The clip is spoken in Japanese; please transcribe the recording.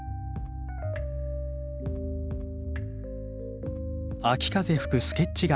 秋風吹くスケッチが完成。